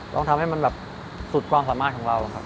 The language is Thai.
ต้องทำให้มันแบบสุดความสามารถของเราครับ